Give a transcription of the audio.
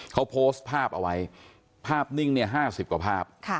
เขาโพสต์ภาพเอาไว้ภาพนิ่งเนี่ย๕๐กว่าภาพ